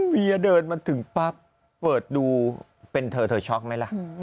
เวียเดินมาถึงปั๊บเปิดดูเป็นเธอเธอช็อกไหมล่ะ